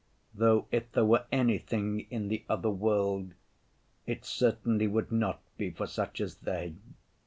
Though if there were anything in the other world, it certainly would not be for such as they.